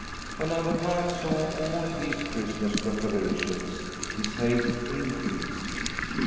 When Abbot Hans saw all these Christmas preparations, his haste increased.